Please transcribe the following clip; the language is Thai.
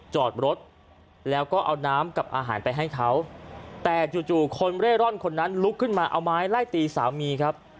จอดรถแล้วก็เอาน้ำกับอาหารไปให้เขาแต่จู่คนเร่ร่อนคนนั้นลุกขึ้นมาเอาไม้ไล่ตีสามีครับ